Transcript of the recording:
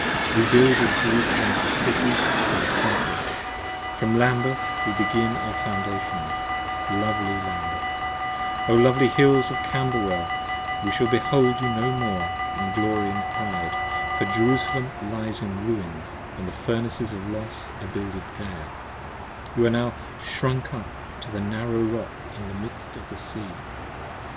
We builded Jerusalem as a City & a Temple; from Lambeth We began our Foundations; lovely Lambeth, O lovely Hills 5 Of Camberwell, we shall behold you no more in glory & pride, For Jerusalem lies in ruins & the Furnaces of Los are builded there: You are now shrunk up to a narrow Rock in the midst of the Sea.